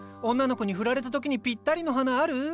女の子にフラれた時にぴったりの花ある？